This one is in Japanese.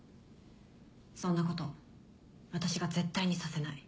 そんなこと私が絶対にさせない。